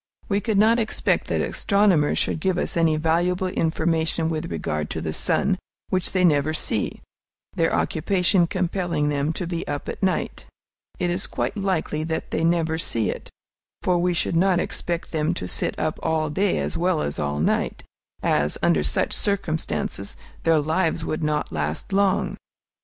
We cannot expect that astronomers should give us any valuable information with regard to the sun, which they never see, their occupation compelling them to be up at night. It is quite likely that they never see it; for we should not expect them to sit up all day as well as all night, as, under such circumstances, their lives would not last long.